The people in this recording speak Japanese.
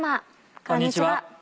こんにちは。